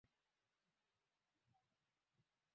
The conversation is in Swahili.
mwaka elfu moja mia nne tisini na nane